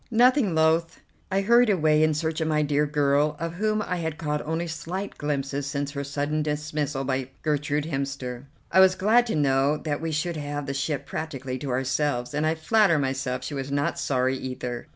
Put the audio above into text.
Nothing loth, I hurried away in search of my dear girl, of whom I had caught only slight glimpses since her sudden dismissal by Gertrude Hemster. I was glad to know that we should have the ship practically to ourselves, and I flatter myself she was not sorry either.